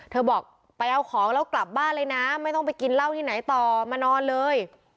บอกไปเอาของแล้วกลับบ้านเลยนะไม่ต้องไปกินเหล้าที่ไหนต่อมานอนเลย